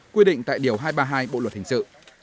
quy định tại điều hai trăm ba mươi hai bộ luật hình sự